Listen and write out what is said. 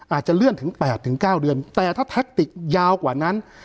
อาจจะเลื่อนถึง๘๙เดือนแต่ถ้าแท็กติกยาวกว่านั้น